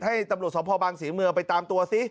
ให้ตำรวจสมภาพบางศรีเมืองไปตามตัวซิ